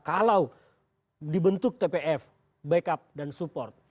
kalau dibentuk tpf backup dan support